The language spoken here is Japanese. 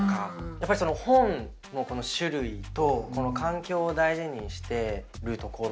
やっぱり本の種類と環境を大事にしてるところ。